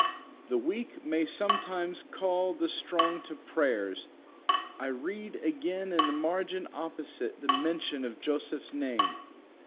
"The weak may sometimes call the strong to prayers," I read again in the margin opposite the mention of Joseph's name.